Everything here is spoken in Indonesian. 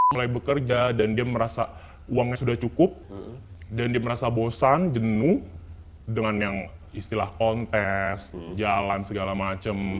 mulai bekerja dan dia merasa uangnya sudah cukup dan dia merasa bosan jenuh dengan yang istilah kontes jalan segala macam